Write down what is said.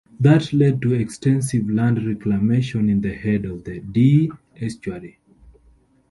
That led to extensive land reclamation in the head of the Dee estuary.